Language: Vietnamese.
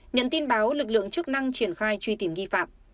nhận tin báo lực lượng chức năng triển khai truy tìm nghi phạm